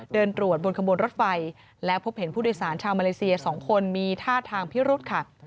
เดินตรวจบนขบวนรถไฟแล้วพบเห็นผู้โดยสารชาวมาเลเซีย๒คนมีท่าทางพิรุธค่ะ